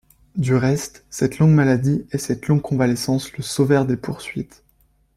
Du reste, cette longue maladie et cette longue convalescence le sauvèrent des poursuites.